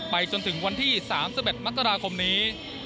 จนถึงวันที่๓๑มกราคมนี้